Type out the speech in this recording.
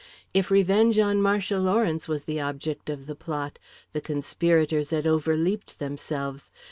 If revenge on Marcia Lawrence was the object of the plot, the conspirators had overleaped themselves.